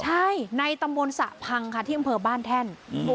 ใช่ในตำบลสระพังค่ะที่อำเภอบ้านแท่น